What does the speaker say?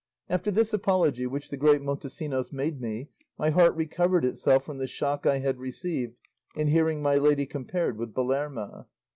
After this apology which the great Montesinos made me, my heart recovered itself from the shock I had received in hearing my lady compared with Belerma."